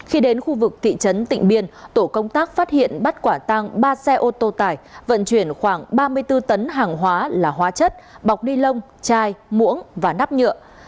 khi đến khu vực thị trấn tịnh biên tổ công tác phát hiện bắt quả tăng ba xe ô tô tải vận chuyển khoảng ba mươi bốn tấn hàng hóa là hóa chất bọc ni lông chai muỗng và nắp nhựa